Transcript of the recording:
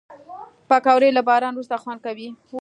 پکورې له باران وروسته خوند کوي